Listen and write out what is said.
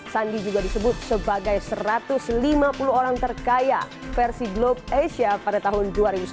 sandi juga disebut sebagai satu ratus lima puluh orang terkaya versi globe asia pada tahun dua ribu sepuluh